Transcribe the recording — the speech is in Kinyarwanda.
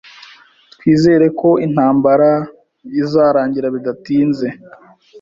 Twizere ko intambara izarangira bidatinze